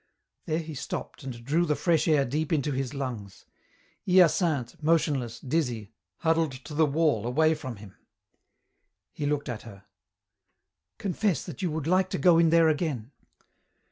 There he stopped and drew the fresh air deep into his lungs. Hyacinthe, motionless, dizzy, huddled to the wall away from him. He looked at her. "Confess that you would like to go in there again."